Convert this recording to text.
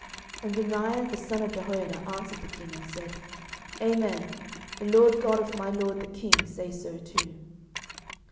11:001:036 And Benaiah the son of Jehoiada answered the king, and said, Amen: the LORD God of my lord the king say so too.